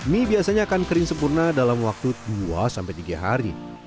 mie biasanya akan kering sempurna dalam waktu dua sampai tiga hari